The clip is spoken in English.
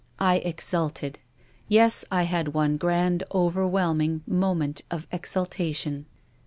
I exulted. Yes, I had one grand overwhelmin<r moment of exultation.